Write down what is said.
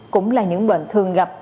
cũng là những bệnh thường gặp